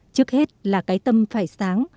trước hết là cái tâm phải sáng